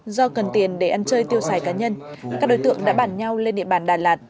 do cần tiền để ăn chơi tiêu xài cá nhân các đối tượng đã bản nhau lên địa bàn đà lạt